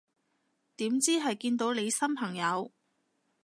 點知係見到你新朋友